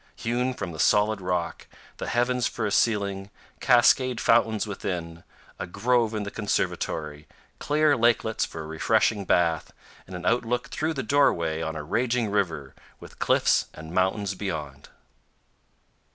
hewn from the solid rock, the heavens for a ceiling, cascade fountains within, a grove in the conservatory, clear lakelets for a refreshing bath, and an outlook through the doorway on a raging river, with cliffs and mountains beyond.